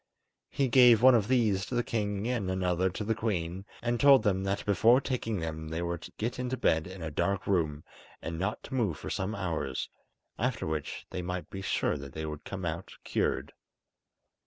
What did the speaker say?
He gave one of these to the king and another to the queen, and told them that before taking them they were to get into bed in a dark room and not to move for some hours, after which they might be sure that they would come out cured.